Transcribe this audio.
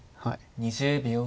２０秒。